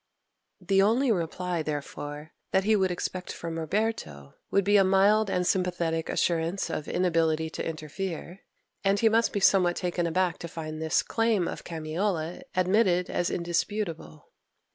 The only reply, therefore, that he would expect from Roberto would be a mild and sympathetic assurance of inability to interfere; and he must be somewhat taken aback to find this claim of Camiola admitted as indisputable.